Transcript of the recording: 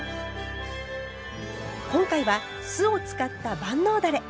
今回は酢を使った万能だれ。